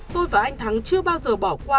tôi và anh thắng chưa bao giờ bỏ qua